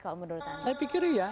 kalau menurut anda